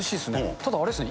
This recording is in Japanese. ただ、あれっすね。